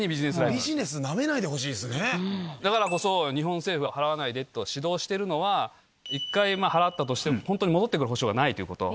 ビジネスなめないでほしいでだからこそ、日本政府は払わないでと指導してるのは、一回払ったとしても、本当に戻ってくる保証はないということ。